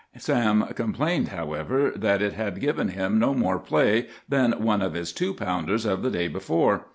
Sam complained, however, that it had given him no more play than one of his two pounders of the day before.